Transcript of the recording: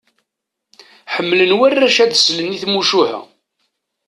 Ḥemmlen warrac ad slen i tmucuha.